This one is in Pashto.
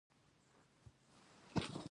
توپچي وويل: صېب!